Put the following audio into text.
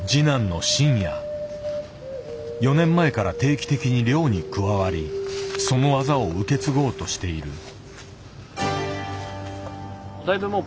４年前から定期的に猟に加わりその技を受け継ごうとしている。